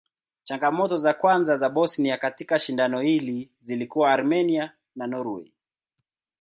Changamoto za kwanza za Bosnia katika shindano hili zilikuwa Armenia na Norway.